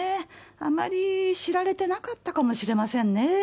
あまり知られてなかったかもしれませんね。